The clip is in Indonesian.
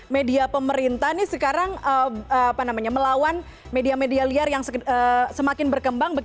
media pemerintah ini sekarang melawan media media liar yang semakin berkembang